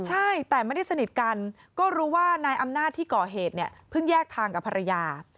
ใช่แต่ไม่ได้สนิทกันก็รู้ว่านายอำนาจที่ก่อเหตุเนี่ยเพิ่งแยกทางกับภรรยา